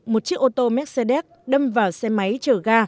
một chiếc ô tô mercedes đâm vào xe máy chở ga